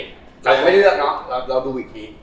แต่ไม่เลือกเนอะเราดูอีกที